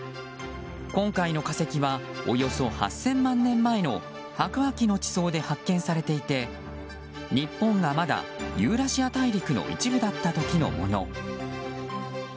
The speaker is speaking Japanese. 今回の化石はおよそ８０００万年前の白亜紀の地層で発見されていて日本がまだユーラシア大陸の一部だった時のもの。